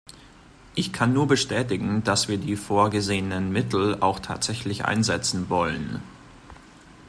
Ich kann nur bestätigen, dass wir die vorgesehenen Mittel auch tatsächlich einsetzen wollen.